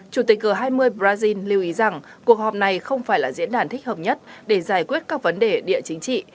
chủ tịch g hai mươi brazil lưu ý rằng cuộc họp này không phải là diễn đàn thích hợp nhất để giải quyết các vấn đề địa chính trị